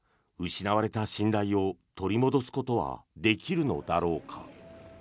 失われた信頼を取り戻すことはできるのだろうか。